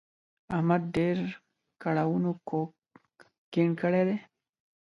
احمد ډېرو کړاوونو کوږ کیڼ کړی دی.